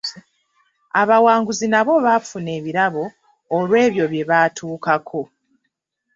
Abawanguzi nabo baafuna ebirabo olwa ebyo bye baatuukako.